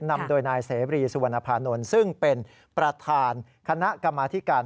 นำโดยนายเสรีสุวรรณภานนท์ซึ่งเป็นประธานคณะกรรมาธิการ